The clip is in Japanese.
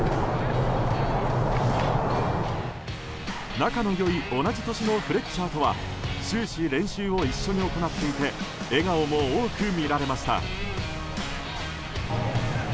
仲の良い同じ年のフレッチャーとは終始、練習を一緒に行っていて笑顔も多く見られました。